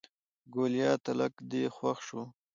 ګوليه تلک دې خوښ شو.